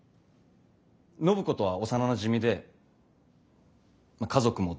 暢子とは幼なじみで家族も同然。